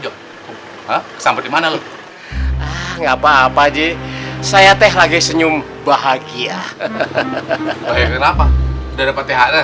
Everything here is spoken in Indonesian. job sampai dimana lu nggak papa aja saya teh lagi senyum bahagia hahaha kenapa udah dapat